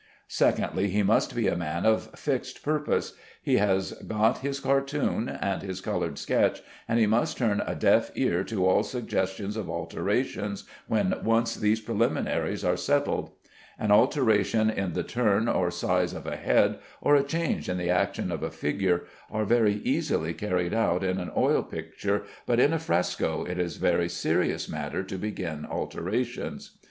Secondly, he must be a man of fixed purpose. He has got his cartoon and his colored sketch, and he must turn a deaf ear to all suggestions of alterations when once these preliminaries are settled. An alteration in the turn or size of a head, or a change in the action of a figure, are very easily carried out in an oil picture, but in a fresco it is a very serious matter to begin alterations.